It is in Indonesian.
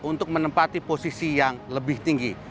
untuk menempati posisi yang lebih tinggi